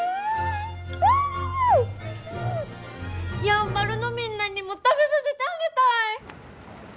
やんばるのみんなにも食べさせてあげたい！